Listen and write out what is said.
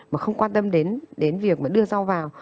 mà không quan tâm đến việc đưa rau vào